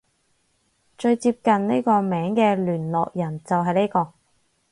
最接近呢個名嘅聯絡人就係呢個